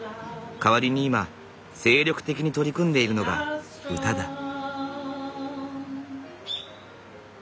代わりに今精力的に取り組んでいるのが歌だ。